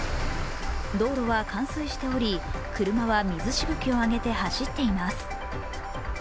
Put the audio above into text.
道路は冠水しており、車は水しぶきを上げて走っています。